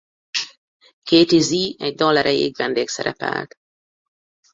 Katy Zee egy dal erejéig vendégszerepelt.